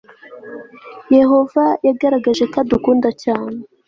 yehova yagaragaje ko adukunda cyane